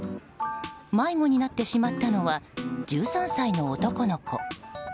迷子になってしまったのは１３歳の男の子。